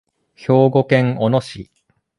兵庫県小野市